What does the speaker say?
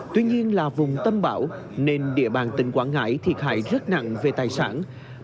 tuy nhiên là vùng tâm bão nên địa bàn tỉnh quảng ngãi thiệt hại rất nặng về tài sản